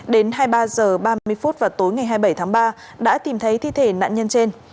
đến hai mươi ba h ba mươi vào tối ngày hai mươi bảy tháng ba đã tìm thấy thi thể nạn nhân trên